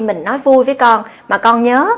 mình nói vui với con mà con nhớ